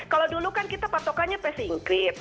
kalau dulu kan kita patokannya pesingkrip